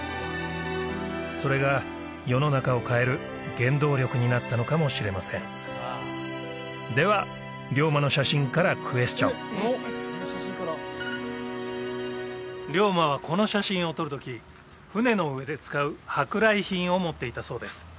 それが世の中を変える原動力になったのかもしれませんでは龍馬の写真からクエスチョン龍馬はこの写真を撮るとき船の上で使う舶来品を持っていたそうです